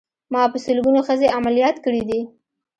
ما په سلګونو ښځې عمليات کړې دي.